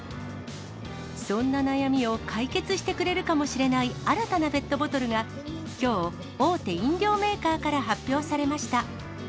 そんな悩みを解決してくれるかもしれない新たなペットボトルが、きょう、大手飲料メーカーから発表されました。